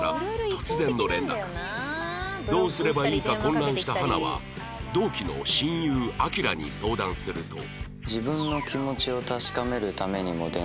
どうすればいいか混乱した花は同期の親友晃に相談すると